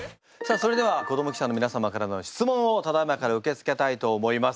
それでは子ども記者の皆様からの質問をただいまから受け付けたいと思います。